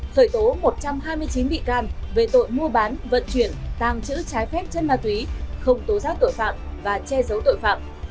khởi tố một trăm hai mươi chín bị can về tội mua bán vận chuyển tàng trữ trái phép chất ma túy không tố giác tội phạm và che giấu tội phạm